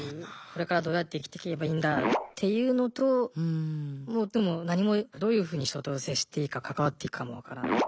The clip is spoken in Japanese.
これからどうやって生きていけばいいんだっていうのともうでも何もどういうふうに人と接していいか関わっていいかも分からない。